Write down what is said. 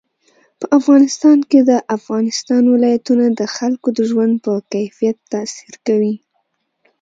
په افغانستان کې د افغانستان ولايتونه د خلکو د ژوند په کیفیت تاثیر کوي.